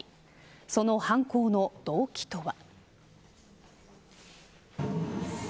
その犯行の動機とは。